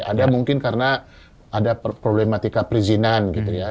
ada mungkin karena ada problematika perizinan gitu ya